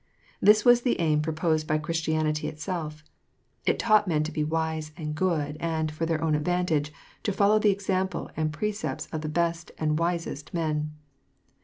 This was the aim proposed by Christianity itself. It taught men to be wise and good, and, for their own advantage, to follow the example and pre cepts of the best and wisest men.